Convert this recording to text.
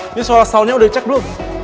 ini soal soundnya udah cek belum